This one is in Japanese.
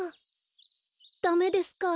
ダメですか？